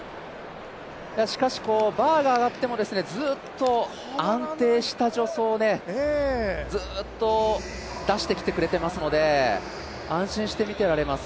しかしバーが上がってもずっと安定した助走をずっと出してきてくれていますので安心してみていられます。